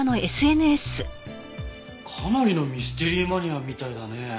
かなりのミステリーマニアみたいだね。